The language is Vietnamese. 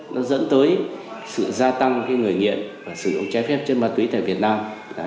nó dẫn tới sự gia tăng khi người nghiện và sử dụng trái phép chất ma túy tại việt nam